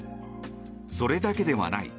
それだけではない。